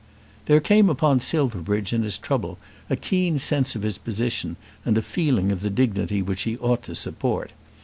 There came upon Silverbridge in his trouble a keen sense of his position and a feeling of the dignity which he ought to support.